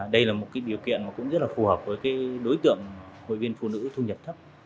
đây là một điều kiện mà cũng rất là phù hợp với đối tượng hội viên phụ nữ thu nhập thấp